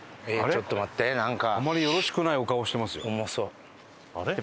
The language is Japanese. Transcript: ちょっと待ってなんか。